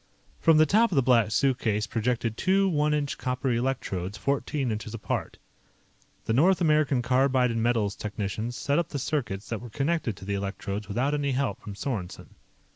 From the top of the Black Suitcase projected two one inch copper electrodes, fourteen inches apart. The North American Carbide & Metals technicians set up the circuits that were connected to the electrodes without any help from Sorensen.